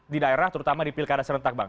di daerah terutama di pilkada serentak bang